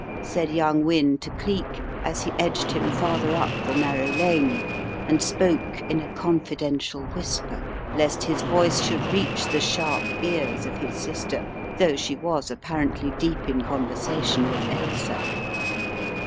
said young Wynne to Cleek as he edged him farther up the narrow lane and spoke in a confidential whis per, lest his voice should reach the sharp ears of his sister, though she was apparently deep in conversa tion with Ailsa.